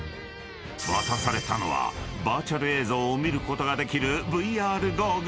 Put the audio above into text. ［渡されたのはバーチャル映像を見ることができる］